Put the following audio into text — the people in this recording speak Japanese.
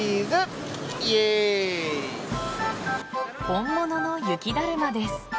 本物の雪だるまです。